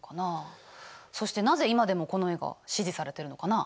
そしてなぜ今でもこの絵が支持されてるのかな？